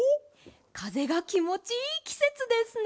かぜがきもちいいきせつですね。